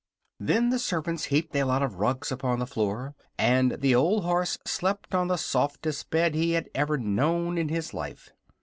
Then the servants heaped a lot of rugs upon the floor and the old horse slept on the softest bed he had ever known in his life.